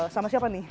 sama siapa nih